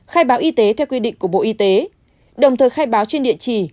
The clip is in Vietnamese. khai báo y tế theo quy định của bộ y tế đồng thời khai báo trên địa chỉ